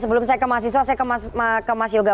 sebelum saya ke mahasiswa saya ke mas yoga